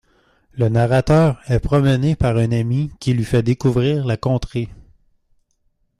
Le narrateur est promené par un ami qui lui fait découvrir la contrée.